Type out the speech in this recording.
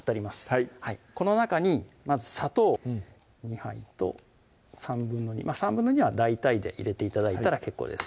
はいこの中にまず砂糖２杯と２／３２／３は大体で入れて頂いたら結構です